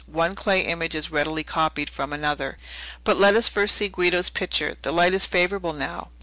"One clay image is readily copied from another. But let us first see Guido's picture. The light is favorable now."